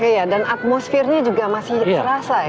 iya dan atmosfernya juga masih terasa ya